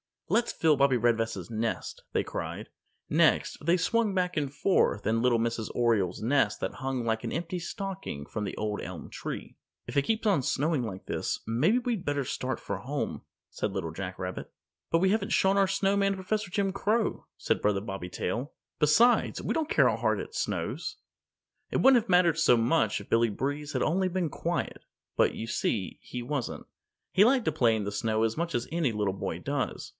"Let's fill Bobbie Redvest's nest," they cried. Next, they swung back and forth in little Mrs. Oriole's nest that hung like an empty stocking from the Old Elm Tree. "If it keeps on snowing like this, maybe we'd better start for home," said Little Jack Rabbit. "But we haven't shown our Snowman to Professor Jim Crow," said Brother Bobby Tail. "Besides, we don't care how hard it snows." It wouldn't have mattered so much if Billy Breeze had only been quiet. But, you see, he wasn't. He liked to play in the snow as much as any little boy does.